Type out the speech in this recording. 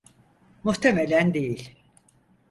Muhtemelen değil.